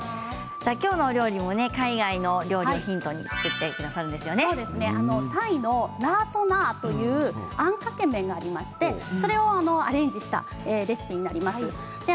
今日のお料理も海外の料理をヒントにタイのラートナーというあんかけ麺がありましてそれをアレンジしたレシピになります。